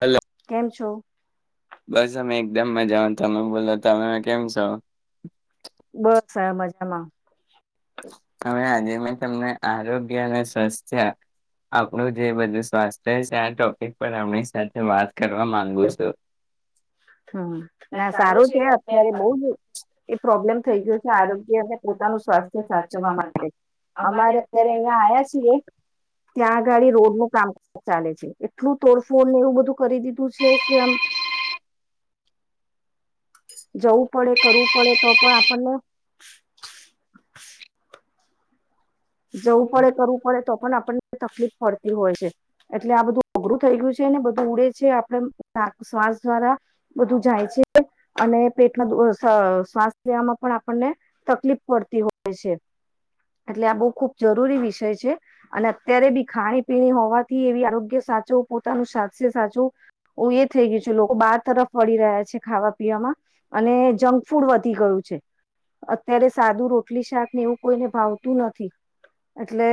Hello કેમ છો? બસ અમે એકદમ મજા. તમે બોલો તમે કેમ છો? બસ મજામાં. [inaudible] હવે આજે મેં તમને આરોગ્ય અને સ્વસ્થ્ય આપણું જે બધું સ્વાસ્થ્ય છે. આ ટોપિક પર આપણી સાથે વાત કરવા માંગુ છું. હમ ના સારું છે. અત્યારે બહ જ એ પ્રોબ્લેમ થઈ ગયો છે. આરોગ્ય અને પોતાનું સ્વાસ્થ્ય. સાચવવા માટે અમારે અત્યારે અહિયાં આવ્યા છીએ ત્યાંગાડી રોડ નું કામ ચાલે છે એટલું તોડફોડને એવું બધું કરી દીધું તું છે કે આમ જવું પડે કરવું પડે તો પણ આપણને [inaudible] જવું પડે કરવું પડે તો પણ આપણને તકલીફ પડતી હોય છે એટલે આ બધું અઘરું થઈ ગયું છે ને બધું ઉડે છે, આપણેમ શ્વાસ દ્વારા બધું જાય છે, અને પેટમાં શ્વાસ લેવામાં પણ આપણને તકલીફ પડતી હોય છે, એટલે આ બઉ ખૂબ જરૂરી વિષય છે, અને અત્યારે બી ખાણી પીણી હોવાથી એવી આરોગ્ય સાચું પોતાનું સાસ્ય સાચું એ થઈ ગયું છે લોકો બાર તરફ વળી રહ્યા છે ખાવા પીવામાં અને જંક ફૂડ વધી ગયું છે, અત્યારે સાદું રોટલી શાક ને એવું કોઈને ભાવતું નથી એટલે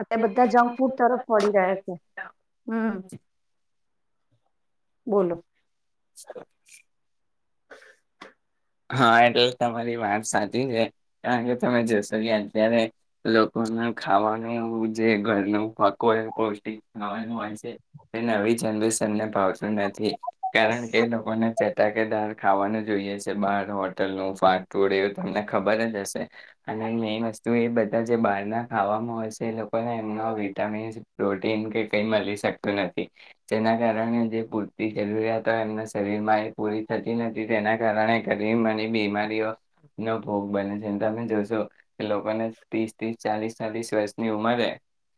અત્યારે બધા જંક ફૂડ તરફ વળી રહ્યા છે, હમ બોલો [unintelligible] હા, એટલે મારી વાત સાચી છે, કારણ કે તમે જશો કે અત્યારે લોકોનું ખાવાનું જે ઘરનું પકો એ પૌષ્ટિક ખાવાનું હોય છે એ નવી જનરેશનને ફાવતું નથી, કારણ કે લોકોને ચટાકેદાર ખાવાનું જોઈએ છે. બાર હોટલનુ [unintelligible] તમને ખબર જ હશે, અને મેન વસ્તુ એ બધા જે બારના ખાવામાં હોય છે એ લોકોને એમનો વિટામિન્સ પ્રોટીન કે કઈ મળી શકતું નથી, જેના કારણે જે પૂરતી જરૂરિયાતો એમના શરીરમાં એ પૂરી થતી નથી તેના કારણે [unintelligible] બીમારીઓનો ભોગ બને છે, તમે જોશો કે લોકોને ત્રીસ ત્રીસ ચાલીસ ચાલીસ વર્ષની ઉંમરે.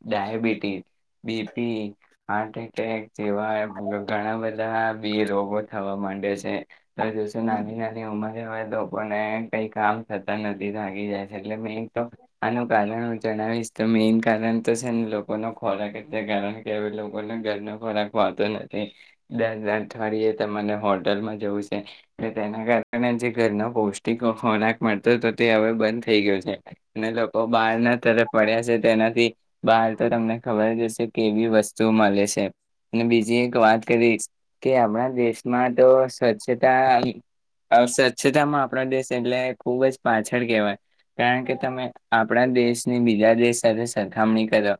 ડયાબિટીસ. BP, heart attack. તેવા ઘણા બધા બી રોગો થવા માંડે છે. ત દિવસે નાની નાની [unintelligible] કઈ કામ થતા નથી થાકી જાય છે એટલે મેં આનું કારણ હું જણાવીશ તો મેન કારણ તો છે ને લોકોનો ખોરાક એટલે છે કારણ કે અવે એ લોકોને ઘરનો ખોરાક ભાવતો નથી, દરલા અઠવાડિયે ત મને હોટલમાં જવું છે, એટલે તેના કારણે ઘરનો પૌષ્ટિક ખોરાક મળતો હતો તે અવે બંધ થઈ ગયો છે, અને લોકો બારના તરફ વડ્યા છે તેનાથી બહાર તો તમને ખબર જ હશે કેવી વસ્તુ મલે છે, અને બીજી એક વાત કરીશ કે આપણા દેશમાં તો સ્વચ્છતા સ્વચ્છતામાં આપણા દેશ એટલે ખુબ જ પાછળ કહેવાય, કારણ કે તમે આપણા દેશની બીજા દેશ સાથે સરખામણી કરો,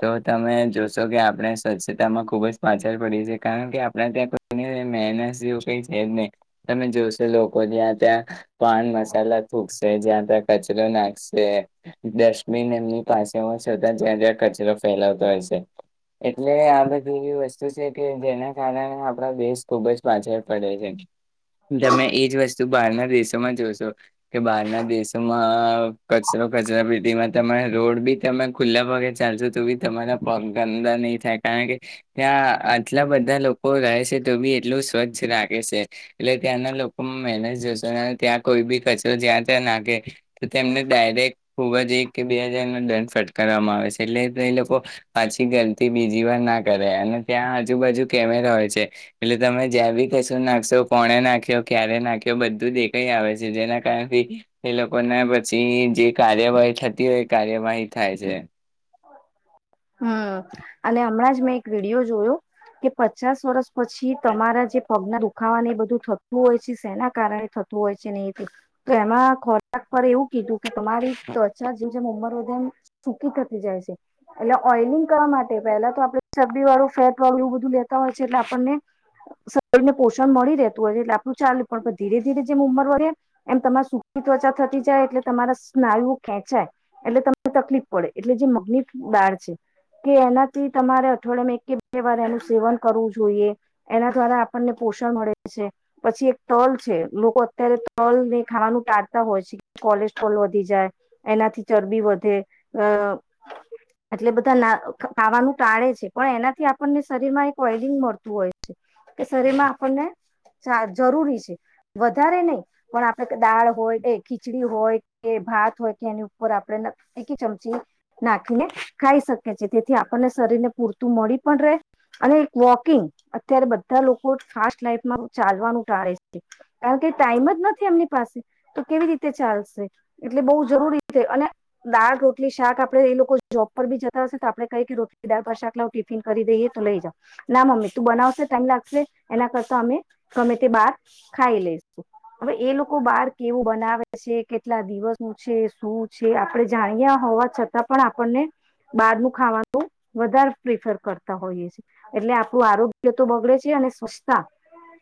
તો તમે જોશો કે આપણે સ્વચ્છતામાં ખુબ જ પાછળ પડી છે કારણ કે આપણા ત્યાં કોઈ મહેનત જેવું કઈ છે જ નહીં, તમે જોશો લોકો જ્યાં ત્યાં પાન મસાલા થૂકશે, જ્યાં ત્યાં કચરો નાખશે, ડસ્ટબિન એમની પાસે હો છતાં જ્યાં જ્યાં કચરો ફેલાવતા હોય છે. એટલે આમ બધું વસ્તુ શું છે કે જેના કારણે આપણા દેશ ખુબ જ પાછળ પડે છે. જમે દેશોમાં જોશો કે બહારના દેશોમાં કચરો કચરા પ્રેતિમાં તમે રોડ બી તમે ખુલ્લા પગે, ચાલશો તો બી તમારા પગ ગંદા નહી થાય, કારણ કે ત્યા મહેનત જશો ત્યાં કોઈ બી કચરો જ્યાં ત્યાં નાખે તો તેમને ડાયરેક્ટ ખૂબ જ એક કે બે હજાર નો દંડ ફટકારવામાં આવે છે, એટલે તો એ લોકો પાછી ગલતી બીજી વાર ના કરે અને ત્યાં આજુબાજુ કેમેરા હોય છે, એટલે તમે જ્યાં બી કચરો નાખશો, કોણે નાખ્યો ક્યારે નાખ્યો બધું દેખાય આવે છે, જેના કારણથી એ લોકોના પછી જે કાર્યવાહી થતી હોય એ કાર્યવાહી થાય છે. હા, હમ અને અમણાં જ મેં એક વિડીયો જોયો, કે પચાસ વર્ષ પછી તમારા જે પગના દુખાવા એ બધું થતું હોય છે સેના કારણે થતું હોય છે, ને એ તે એમાં ખોરાક પર એવું કીધું કે તમારી ત્વચા જેમ જેમ ઉમર વધે એમ ટુકી જાય છે. [unintelligible] એટલે જે મગ્ની દાળ છે, કે એનાથી તમારે અઠવાડિયામાં એક કે બે વાર એનું સેવન કરવું જોઈએ, એના દ્વારા આપણને પોષણ મળે છે, પછી એક તલ છે લોકો અત્યારે તલ ને ખાવાનું ટાળતા હોય છે, કોલેસ્ટ્રોલ વધી જાય, એનાથી ચરબી વધે અ એટલે બધા ના ખાવાનું ટાળે છે, પણ એનાથી આપણને શરીરમાં એક ઓઈલિંગ મળતું હોય છે, કે શરીરમાં આપણને જરૂરી છે, વધારે નહી પણ આપણે દાળ હોય કે ખીચડી હોય કે ભાત હોય કે એની ઉપર આપણે એક નાખીને ખાઈ શકે છે તેથી આપણને શરીર ને પૂરતું મળી પણ રહે, અને વોકિંગ અત્યારે બધા લોકો ફાસ્ટ લાઈફમાં ચાલવાનું ટાળે છે કારણ કે ટાઈમ જ નથી એમની પાસે તો કેવી રીતે ચાલશે, એટલે બઉ જરૂરી અને દાળ ર શાક આપડે એ લોકો જોબ પર બી જતા હશે, તો આપડણે કહી કે રોટલી દાળ ભાત શાક લો ટિફિન કરી દઈએ તો લઈ જાવ ના મમ્મી તું બનાવશે ટાઈમ લાગશે એના કરતા અમે ગમે તે બહાર ખાઈ લઈશું, હવે એ લોકો બહાર કેવું બનાવે છે કેટલા દિવસ ન છે શું છે, આપણે જાણીએ હોવા છતાં પણ આપણને બારનુ ખાવાનું વધારે પ્રિફર કરતા હોઈએ છે, એટલે આપણું આરોગ્ય તો બગડે છે, અને સ્વચ્છતા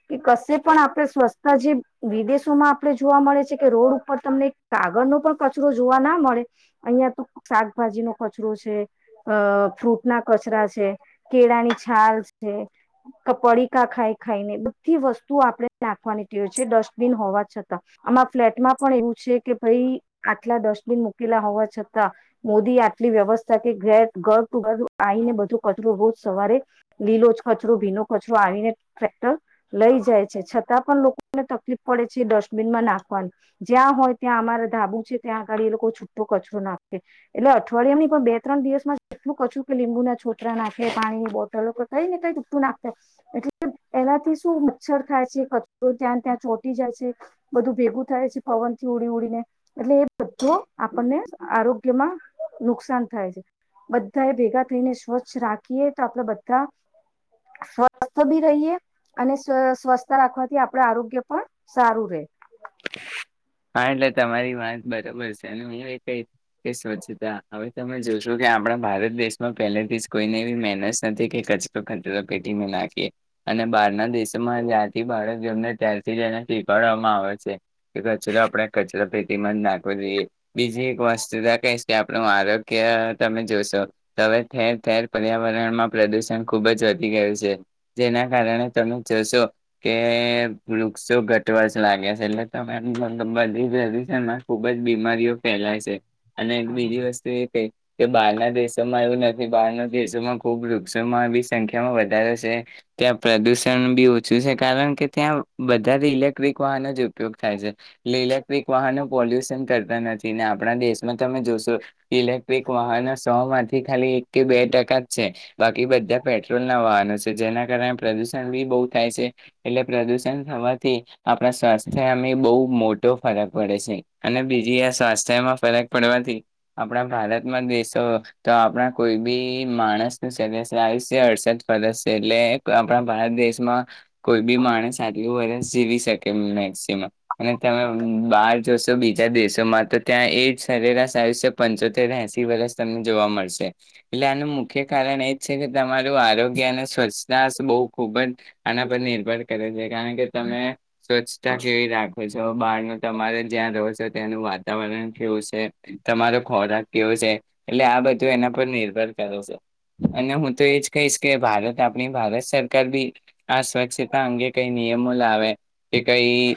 કે કશે પણ આપણે સ્વચસ્છતા, જે વિદેશોમાં આપણે જોવા મળે છે કે રોડ ઉપર તમને કાગળનો પણ કચરો જોવા ના મળે. અહિયાં તો શાકભાજી ન કચરો છે, અ ફ્રૂટ ના કચરા છે, કેળાની છાલ છે, કપડીકાા ખાય ખાઈને બધી વસ્તુ આપણે નાખવાની ટી હો છે ડસ્ટબિન હોવા છતાં, આમા ફ્લેટમાં પણ એવું છે કે ભાઈ આટલા ડસ્ટબિન મૂકેલા હોવા છતાં, મોદી આટલી વ્યવસ્થા કે ઘે ઘર ટુ ઘર આવીને બધો કચરો રોજ સવારે, લીલો જ કચરો ભીનો કચરો આવીને ટ્રેક્ટર લઈ જાય છે છતાં પણ લોકોને તકલીફ પડે છે ડસ્ટબિનમાં નાખવાનું, જ્યાં હોય ત્યાં અમારા ધાબુ છે ત્યાં આગાળ એ લોકો છૂટો કચરો નાખે એટલે અઠવાડિયા ની પણ બે ત્રણ દિવસમાં એટલું કચું કે લીંબુ ના છોતરા નાખે પાણીની બોટલો કઈ ને કઈ ટૂકું નાખતા એટલે એનાથી શું મચ્છર થાય છે કચરો ત્યાં ત્યાં ચોટી જાય છે બધું ભેગું થાય છે પવન થી ઉડી ઉડીને એટલે એ બધો આપને આરોગ્યમાં નુકસાન થાય છે, બધા એ ભેગા થઈને સ્વચ્છ રાખીએ તો આપડે બધા સ્વસ્થ ભી રહીએ. અને સ્વસ્થ રાખવાથી આપડ આરોગ્ય પણ સારું રહે. હા એટલે તમારી વાત બરાબર છે અને હું એ, કહી કે સ્વચ્છતા હવે તમે જોશો કે આપણા ભારત દેશમાં પહેલેથી જ કોઈને એવી મહેનત નથી કે કચરો કચરો પેટીમાં નાખીએ, અને બહારના દેશોમાં જ્યાંથી બાળક જેમને ત્યારથી જ એને શીખડવામાં આવે છે. કરો આપણે કચરો પ્રતિંધ નાખવો જોઈએ, બીજી એક વસ્તુ ક કે આપણું આરોગ્ય તમે જોશો, હવે ઠેર ઠેર પર્યાવરણમાં પ્રદુષણ ખુબ જ વધી ગયું છે. જેના કારણે તમે જોશો. [unintelligible] શું ઘટવાશ લાગે છે. [unintelligible] પણ બધી ધ છે એમાં ખુબ જ બીમારીઓ ફેલાય છે અને બીજી વસ્તુ એ ક કે બહારના દેશોમાં એવું નથી બહારના દેશોમાં ખૂબ વૃક્ષોમાં બી સંખ્યામાં વધારે છે ત્યાં પ્રદુષણ બી ઓછું છે કારણ કે ત્યાં વધધારે ઇલેક્ટ્રિક વાહનો જ ઉપયોગ થાય છે. ઇલેક્ટ્રિક વાહનો પોલ્યુશન કરતા નથી ને આપણા દેશમાં તમે જોશો ઇલેક્ટ્રિક વાહનો સો માંથી ખાલી એક કે બે ટકા જ છે બાકી બધા પેટ્રોલ ના વાહનો છે જેના કારણે પ્રદુષણ બી બહુ થાય છે એટલે પ્રદુષણ થવાથી આપણા સ્વાસ્થ્ય અમે બહ મોટો ફરક પડે છે અને બીજી આ સ્વાસ્થ્યમાં ફરક પડવાથી આપણા ભારતમાં દેશો તો આપણા કોઈ બી માણસનું અડસત ફરક છે એટલે આપણા ભારત દેશમાં કોઈ બી માણસ આટલું વર્ષ જીવી શકે મેક્સિમમ અને તમે બાર તો શું બીજા દેશોમાં તો ત્યાં એ જ સરેરાશ આયુષ્ય પંચોતેર એસી વર્ષ તમને જોવા મળશે એટલે આનું મુખ્ય કારણ એજ છે કે તમારું આરોગ્ય અને સ્વચ્છતા બહુ ખુબ જ આના પર નિર્ભર કરે છે કારણ કે તમે સ્વચ્છતા કેવી રા જો બહાર ન તમારે જ્યાં રહો છો ત્યાંનું વાતાવરણ કેવું છે તમારો ખોરાક કેવું છે એટલે આ બધું એના પર નિર્ભર કરો. અને હું તો એજ કહીશ કે ભારત આપણી ભારત સરકાર ભી આ સ્વચ્છતા અંગે કઈ નઈ એમ લ આવે કે કઈ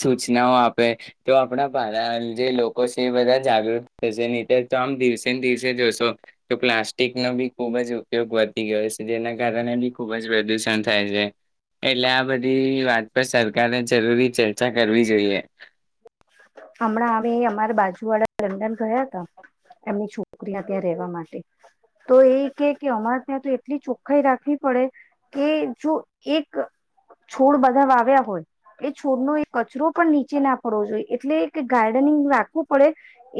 સૂચનાઓ આપે તો આપણા ભ જે લોકો છે એ બધા જાગૃત થશે ર તો આમ દિવસે ને દિવસે જોશો તો પ્લાસ્ટિકનોો બી ખુબ જ ઉપયોગ વધતી ગયો છે જેના કારણે બી ખુબ જ પ્રદુષણ થાય છે એટલે આ બધી વાત પર સરકારે જરૂરી ચર્ચા કરવી જોઈએ હમણાં હ અમારા બાજુ વાળા લંડન ગયા હતા એમની છોકરી ત્યાં રહેેવા માટે તો એ કે કે અમારે ત્યાં તો એટલી ચોખ્ખાાઈ રાખવી પડે કે જો એક છોડ બધા વા આવ્યા હોય એ છોડનો એક કચરો પણ નીચે ના પડવો જોઈએ એટલે કે ગાર્ડનિંગ રાખવું પડે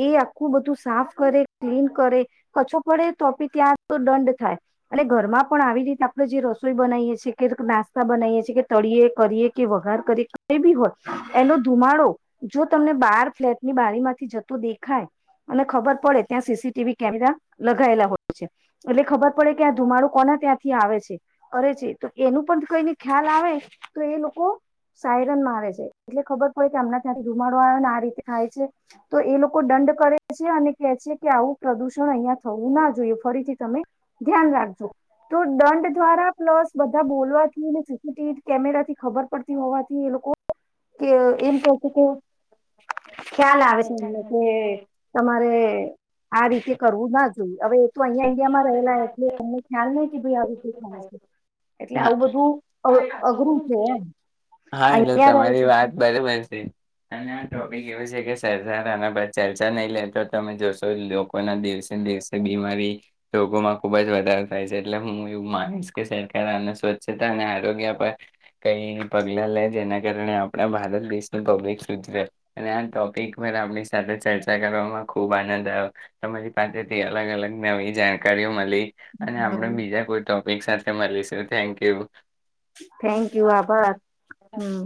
એ આખું બધું સાફ કરે ક્લીન કરે કછો પડે તો આપે ત્યાં તો દંડ થાય અને ઘરમાં પણ આવી રીતે આપડે જે રસોઈ બનાવીએ છી કે નાસ્તા બનાવીએ છી કે તળીએ કરીએ કે વઘાર કરીએ કઈ બી હોય એનો ધુમાડો જો તમને બાર ફ્લેટની બારી માંથી જતું દેખાય અને ખબર પડે ત્યાં C C T V camera લગાયેલા હોય છે એટલે ખબર પડે કે આ ધુમાડુ કોના ત્યાંથી આવે છે કરે છે તો એનું પણ કઈને ખ્યાલ આવે તો એ લોકો સાયરન મારે છે એટલે ખબર પડે કે એમના ત્યાથી ધુમાડો આવ્યોને આ રીતે થાય છે તો એ લોકો દંડ કરે છે અને કે છે કે આવું પ્રદુષણ અહિયાં થવું ના જોઈએ ફરીથી તમે ધ્યાન રાખજો. તો દંડ દ્વારા પ્લસ બધા બોલવાથી અને C C T V camera થી ખબર પડતી હોવાથી એ લોકો કે એમ કો તું કો ખ્યાલ આવે છે એમને કે તમારે આ રીતે કરવું ના જોઈએ હવે એ તો અહિયાં ઈન્ડિયામાં રહેલા એટલે એમને ખ્યાલ નહ કે ભાઈ આ રીતે થાય છે એટલે હા. આવું બધું અ-અઘરું છે એમ. હા એટલે અહીંયા તમારી વાત બરાબર છે. અને આ ટોપિક એવું છે કે સરકાર આના પર ચર્ચા નહી લે તો તમે જોશો લોકોના દિવસે દિવસે બીમારી રોગોમાં ખુબ જ વધારે થાય છે એટલે હું એવું માનીશ કે સરકાર આના સ્વચ્છતા અને આરોગ્ય પર કઈ પગલા લેવા જોઈએ જેના કારણે આપણા ભારત દેશની પબ્લિક સુધરે અને આ ટોપિક પર આપણી સાથે ચર્ચા કરવામાં ખૂબ આનંદ આયો. તમારી પાસેથી અલગ અલગ નવી જાણકારીઓ મલી અને આપડે હમ બીજા કોઈ ટોપિક સાથે સાથે મળીશું થેન્ક યુ. થેન્ક યુ આભાર હમમ.